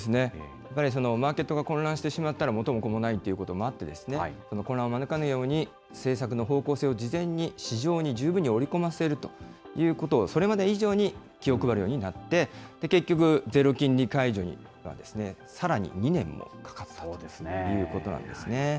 やっぱりマーケットが混乱してしまったら元も子もないということもあって、混乱を招かぬように政策の方向性を事前に市場に十分に織り込ませるということをそれまで以上に気を配るようになって、結局、ゼロ金利解除にさらに２年もかかったということなんですね。